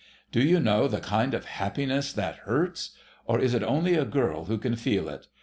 Do you know the kind of happiness that hurts? Or is it only a girl who can feel it?